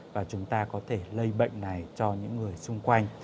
và chúng ta có thể lây bệnh này cho những người xung quanh